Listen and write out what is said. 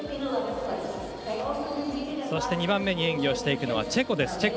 そして、２番目に演技をしていくのはチェコです。